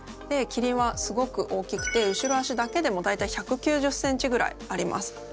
キリンはすごく大きくて後ろ足だけでも大体１９０ｃｍぐらいあります。